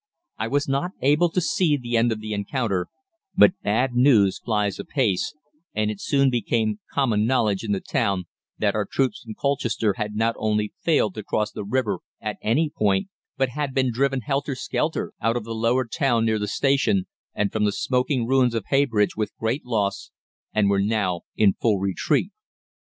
I was not able to see the end of the encounter, but bad news flies apace, and it soon became common knowledge in the town that our troops from Colchester had not only failed to cross the river at any point, but had been driven helter skelter out of the lower town near the station and from the smoking ruins of Heybridge with great loss, and were now in full retreat.